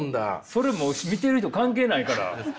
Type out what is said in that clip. それもう見てる人関係ないから。